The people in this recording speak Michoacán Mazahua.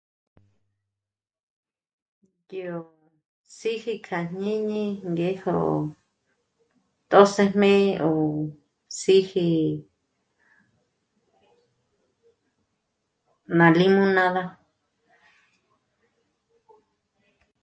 Yó... síji kja jñíni ngéjo tjö́sëjme o síji... ná limonada